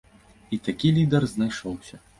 І такі лідар знайшоўся.